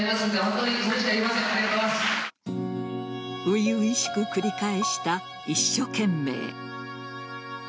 初々しく繰り返した一所懸命。